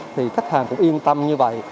thì khách hàng cũng yên tâm như vậy